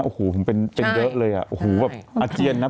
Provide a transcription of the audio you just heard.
โอ้โหผมเป็นเยอะเลยอ่ะโอ้โหแบบอาเจียนนะ